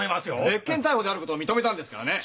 別件逮捕であることを認めたんですからね。